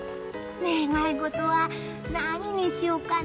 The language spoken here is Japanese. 願い事は何にしようかな。